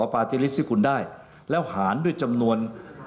ปาร์ตี้ลิสต์ที่คุณได้แล้วหารด้วยจำนวน